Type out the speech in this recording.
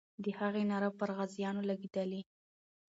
د هغې ناره پر غازیانو لګېدلې.